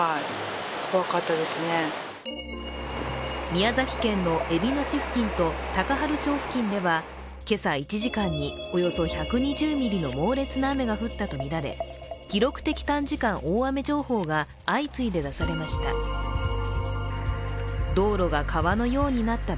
宮崎県のえびの市付近と高原町付近では今朝、１時間におよそ１２０ミリの猛烈な雨が降ったとみられ、記録的短時間大雨情報が相次いで出されました。